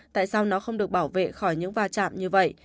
tại sao nó không được bảo vệ khỏi những va chạm như vậy